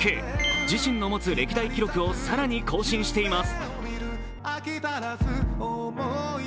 自身の持つ歴代記録を更に更新しています。